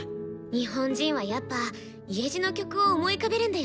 日本人はやっぱ「家路」の曲を思い浮かべるんだよね。